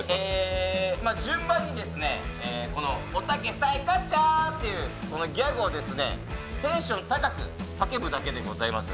順番に、おたけサイコッチョー！っていうギャグをテンション高く叫ぶだけでございます。